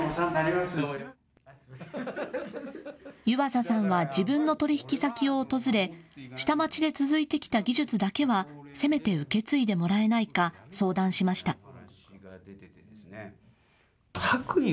湯浅さんは自分の取引先を訪れ下町で続いてきた技術だけはせめて受け継いでもらえないか相談しました。